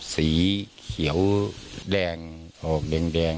สีเขียวแดงออกแดง